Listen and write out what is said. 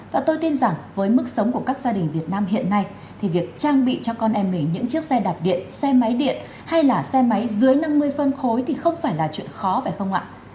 và tôi tin rằng với mức sống của các gia đình việt nam hiện nay thì việc trang bị cho con em mình những chiếc xe đạp điện xe máy điện hay là xe máy dưới năm mươi phân khối thì không phải là chuyện khó phải không ạ